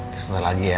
sebentar lagi ya